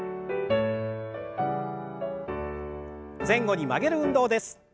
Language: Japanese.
前後に曲げる運動です。